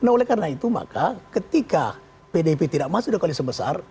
nah oleh karena itu maka ketika pdip tidak masuk ke koalisi besar